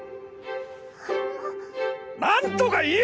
あのなんとか言え！